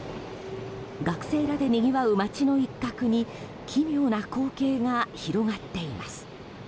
学生らでにぎわう街の一角に奇妙な光景が広がっています。